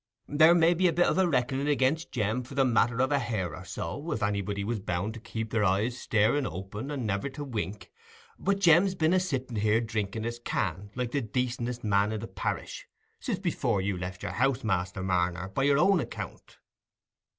There may be a bit of a reckoning against Jem for the matter of a hare or so, if anybody was bound to keep their eyes staring open, and niver to wink; but Jem's been a sitting here drinking his can, like the decentest man i' the parish, since before you left your house, Master Marner, by your own account."